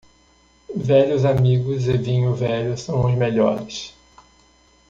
Velhos amigos e vinho velho são os melhores.